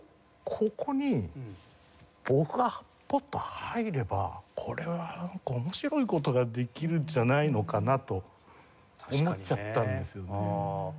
ここに僕がポッと入ればこれはなんか面白い事ができるんじゃないのかなと思っちゃったんですよね。